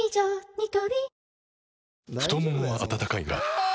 ニトリ太ももは温かいがあ！